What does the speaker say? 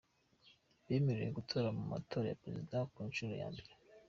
bemerewe gutora mu matora ya perezida ku nshuro ya mbere.